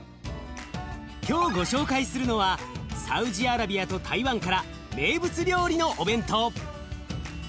今日ご紹介するのはサウジアラビアと台湾から名物料理のお弁当。